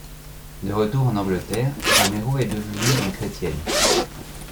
De retour en Angleterre Romero est devenu une chrétienne.